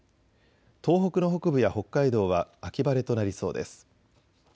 東北の北部や北海道は秋晴れとなりそうです。